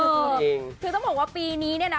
จริงคือต้องบอกว่าปีนี้เนี่ยนะ